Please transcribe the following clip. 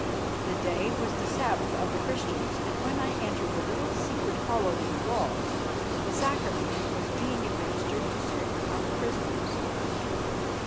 The day was the Sabbath of the Christians, and when I entered the little secret hollow in the walls, the sacrament was being administered to certain of the prisoners.